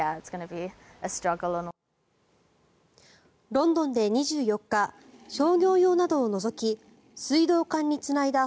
ロンドンで２４日商業用などを除き水道管につないだ